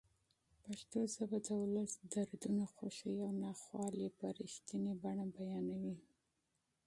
پښتو ژبه د ولس دردونه، خوښۍ او ناخوالې په رښتینې بڼه بیانوي.